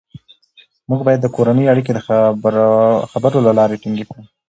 موږ باید د کورنۍ اړیکې د خبرو له لارې ټینګې کړو